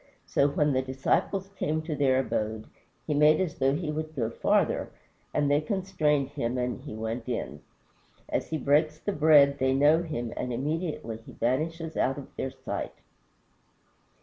So when the disciples came to their abode "he made as though he would go farther," and they constrained him and he went in. As he breaks the bread they know him, and immediately he vanishes out of their sight.